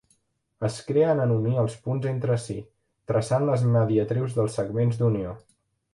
Es creen en unir els punts entre si, traçant les mediatrius dels segments d'unió.